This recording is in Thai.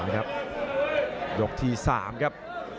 ยกที่๓ครับ